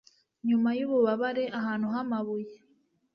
Nyuma yububabare ahantu hamabuye